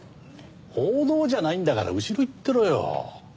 報道じゃないんだから後ろ行ってろよ。